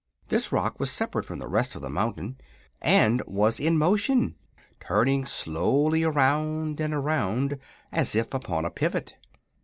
This rock was separate from the rest of the mountain and was in motion, turning slowly around and around as if upon a pivot.